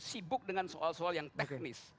sibuk dengan soal soal yang teknis